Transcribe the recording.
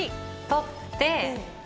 取って。